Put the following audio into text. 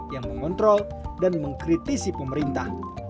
yang mengontrol dan mengkritisi pemerintah